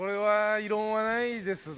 異論はないですね。